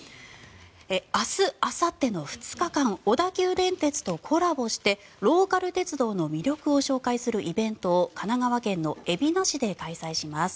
明日あさっての２日間小田急電鉄とコラボしてローカル鉄道の魅力を紹介するイベントを神奈川県の海老名市で開催します。